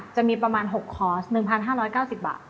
จะมีประมาณ๖คอร์ส๑๕๙๐บาท